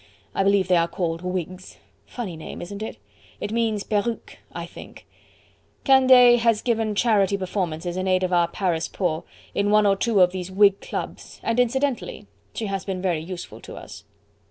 I believe they are called Whigs. Funny name, isn't it? It means perruque, I think. Candeille has given charity performances in aid of our Paris poor, in one or two of these Whig clubs, and incidentally she has been very useful to us."